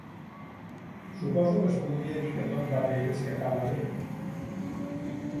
Suposo que es podria dir que tot va bé si acaba bé.